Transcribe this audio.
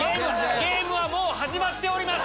ゲームは始まっております！